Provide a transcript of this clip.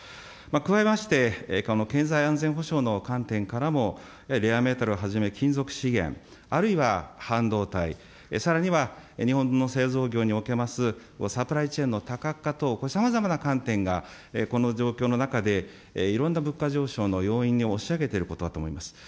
加えまして、この経済安全保障の観点からも、レアメタルをはじめ金属資源、あるいは半導体、さらには、日本の製造業におけますサプライチェーンの多角化等、さまざまな観点がこの状況の中で、いろんな物価上昇の要因に押し上げていることだと思います。